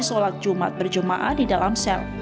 solat jumat berjemaah di dalam sel